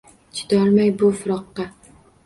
Chidolmay bu firoqqa.